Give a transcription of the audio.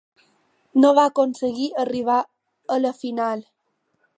No va aconseguir arribar a la final.